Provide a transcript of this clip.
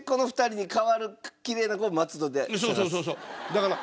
だから。